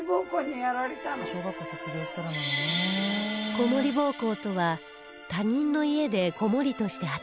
子守奉公とは他人の家で子守として働く事